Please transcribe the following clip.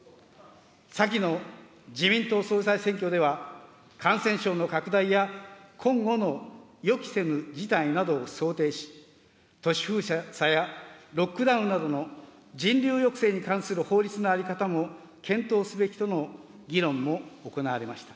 先の自民党総裁選挙では感染症の拡大や、今後の予期せぬ事態などを想定し、都市封鎖やロックダウンなどの人流抑制に関する法律の在り方も検討すべきとの議論も行われました。